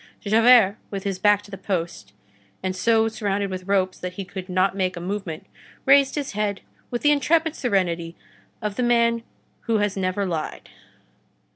Javert, with his back to the post, and so surrounded with ropes that he could not make a movement, raised his head with the intrepid serenity of the man who has never lied.